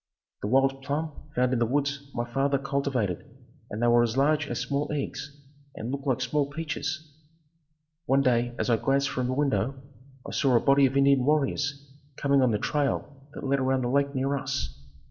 The wild plum found in the woods my father cultivated and they were as large as small eggs and looked like small peaches. One day as I glanced from the window, I saw a body of Indian warriors coming on the trail that led around the lake near us.